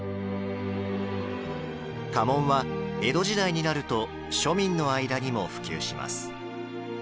家紋は、江戸時代になると庶民の間にも普及します。